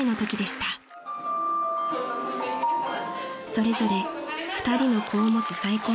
［それぞれ２人の子を持つ再婚同士］